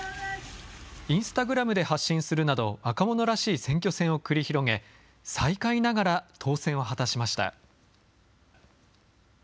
インスタグラムで発信するなど、若者らしい選挙戦を繰り広げ、最下位ながら当選を果たしました。